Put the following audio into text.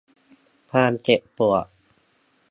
ความเจ็บปวด